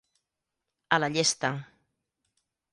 A la llesta.